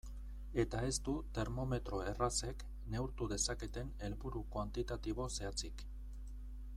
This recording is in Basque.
Eta ez du termometro errazek neurtu dezaketen helburu kuantitatibo zehatzik.